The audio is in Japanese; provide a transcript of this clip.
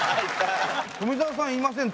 「富澤さんいません。